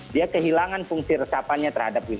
dia kehilangan fungsi resapannya terhadap